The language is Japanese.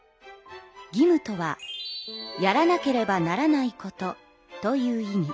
義務とは「やらなければならないこと」という意味。